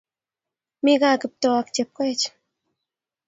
Mi kaa Kiptoo ak Chepkoech